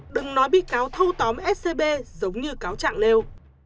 đừng nói bị cáo thâu tóm scb giống như cáo trạng nêu